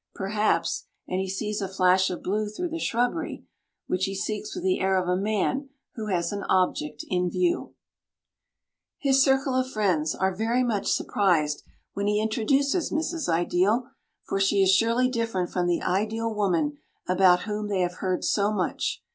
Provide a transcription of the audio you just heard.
Perhaps and he sees a flash of blue through the shrubbery, which he seeks with the air of a man who has an object in view. His circle of friends are very much surprised when he introduces Mrs. Ideal, for she is surely different from the ideal woman about whom they have heard so much.